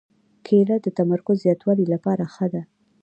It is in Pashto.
کېله د تمرکز زیاتولو لپاره ښه ده.